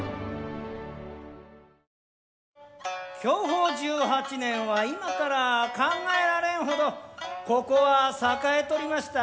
享保十八年は今からは考えられんほどここは栄えとりました。